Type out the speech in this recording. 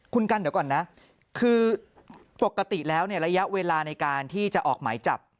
คุณกันเดี๋ยวก่อนนะคือปกติแล้วเนี่ยระยะเวลาในการที่จะออกหมายจับ